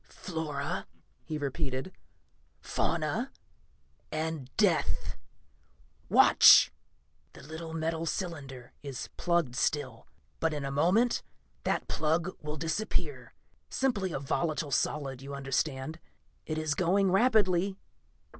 "Flora," he repeated. "Fauna. And death. Watch! The little metal cylinder is plugged still, but in a moment that plug will disappear simply a volatile solid, you understand. It is going rapidly